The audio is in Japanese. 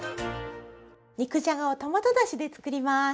肉じゃがをトマトだしで作ります。